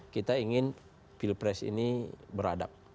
kita ingin pilpres ini beradab